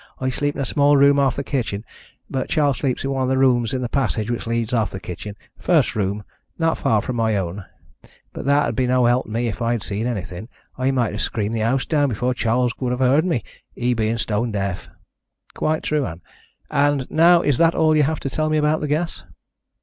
I sleep in a small room off the kitchen, but Charles sleeps in one of the rooms in the passage which leads off the kitchen, the first room, not far from my own. But that'd been no help to me if I'd seen anything. I might have screamed the house down before Charles would have heard me, he being stone deaf." "Quite true, Ann. And now is that all you have to tell me about the gas?"